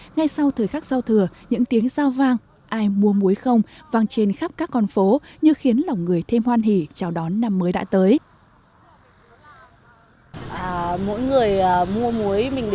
ngay sau thời khắc giao thừa những tiếng giao vang ai mua muối không vang trên khắp các con phố như khiến lòng người thêm hoan hỉ chào đón năm mới đã tới